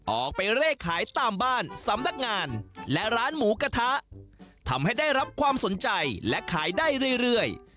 ออกไปเลขขายตามบ้านสำนักงานและร้านหมูกระทะทำให้ได้รับความสนใจและขายได้เรื่อย